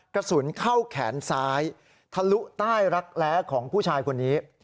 กระสุนเข้าแขนซ้ายทะลุใต้รักแร้ของผู้ชายคนนี้